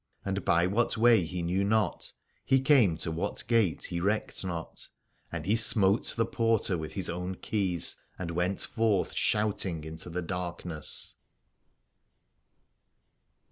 And by what way he knew not he came to what gate he recked not : and he smote the porter with his own keys and went forth shouting into the darkness.